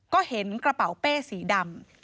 ก็เห็นกระเป๋าเป้สีดำ